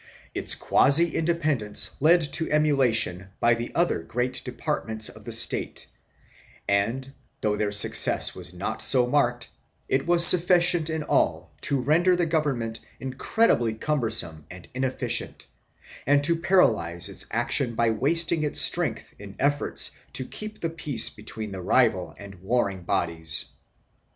Its quasi independence led to emulation by the other great departments of the State and, though their success was not so marked, it was sufficient in all to render the government incredibly cumbersome and inefficient and to paralyze its action by wasting its strength in efforts to keep the peace between the rival and warring bodies.